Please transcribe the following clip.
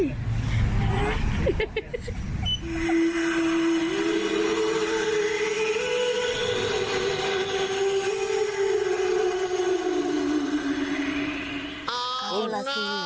เอาล่ะสิ